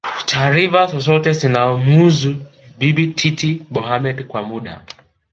taarifa zozote zinazomhusu Bibi Titi Mohamed Kwa muda